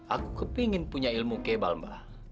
aku kepengen punya ilmu kebal mba